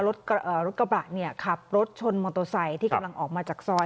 รถกระบะขับรถชนมอโตไซค์ที่กำลังออกมาจากซอย